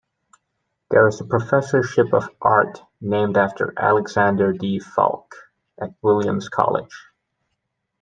There is a professorship of art named after Alexander D. Falck at Williams College.